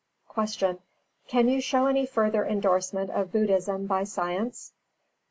329. Q. Can you show any further endorsement of Buddhism by science? A.